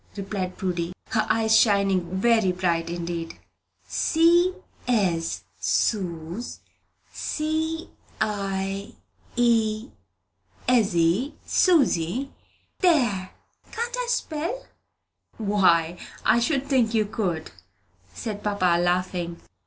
replied Prudy, her eyes shining very bright indeed. "C ez, Sooz, C i ezzy, Susy. There! Can't I spell?" "Why, I should think you could," said papa, laughing.